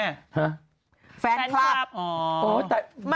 เอฟซีเยอะจังหรือเปล่าคุณแม่